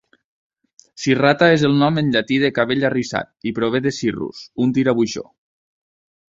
"Cirrhata" és el nom en llatí de "cabell arrissat" i prové de "cirrus", un tirabuixó.